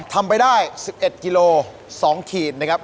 ทำไปได้๑๑กิโล๒ขีด